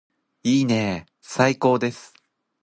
いいねーー最高です